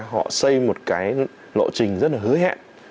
họ xây một cái lộ trình rất là hứa hẹn